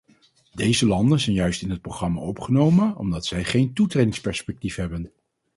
Deze landen zijn juist in het programma opgenomen omdat zij geen toetredingsperspectief hebben.